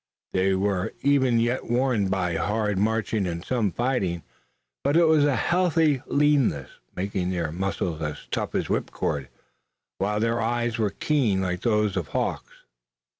They were even yet worn by hard marching and some fighting, but it was a healthy leanness, making their muscles as tough as whipcord, while their eyes were keen like those of hawks.